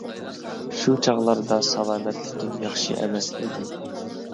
شۇ چاغلاردا سالامەتلىكىم ياخشى ئەمەس ئىدى.